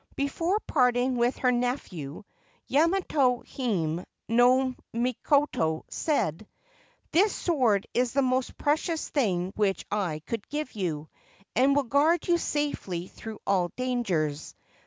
Before parting with her nephew Yamato Hime no Mikoto said :' This sword is the most precious thing which I could give you, and will guard you safely through all dangers.